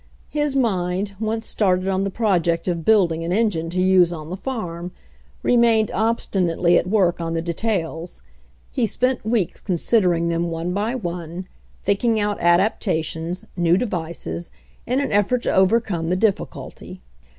His mind, once started on the project of building an engine to use on the farm, remained obstinately at work on the details. He spent weeks consid ering them one by one, thinking out adaptations, new devices, in an effort to overcome the diffi culty.